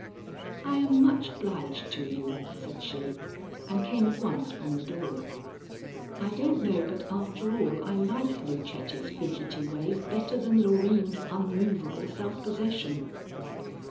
"I am much obliged to you," said she, and came at once from the door. I don't know but after all I like Lucetta's fidgety ways better than Loreen's unmovable self possession.